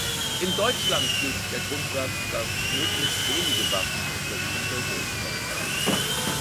In Deutschland gilt der Grundsatz, dass möglichst wenige Waffen unter die Bevölkerung kommen.